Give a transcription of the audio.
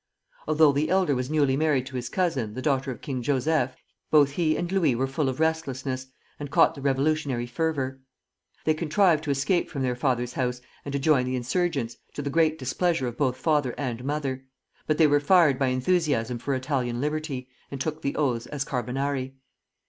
Although the elder was newly married to his cousin, the daughter of King Joseph, both he and Louis were full of restlessness, and caught the revolutionary fervor. They contrived to escape from their father's house and to join the insurgents, to the great displeasure of both father and mother; but they were fired by enthusiasm for Italian liberty, and took the oaths as Carbonari.